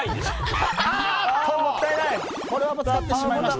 これはぶつかってしまった。